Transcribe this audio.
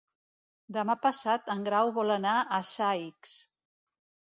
Demà passat en Grau vol anar a Saix.